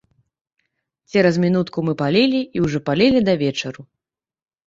Цераз мінутку мы палілі і ўжо палілі да вечару.